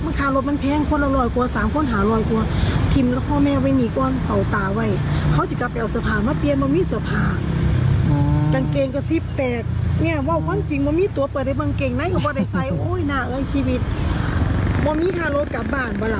วันนี้ค่ะรถกลับบ้านบ้างล่ะ